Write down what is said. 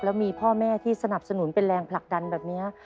แล้วมีพ่อแม่ที่สนับสนุนเป็นแรงผลักดันแบบนี้